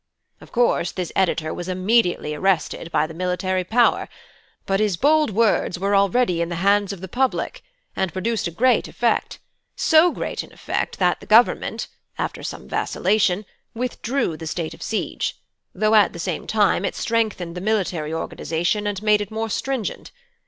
"Of course, this editor was immediately arrested by the military power; but his bold words were already in the hands of the public, and produced a great effect: so great an effect that the Government, after some vacillation, withdrew the state of siege; though at the same time it strengthened the military organisation and made it more stringent.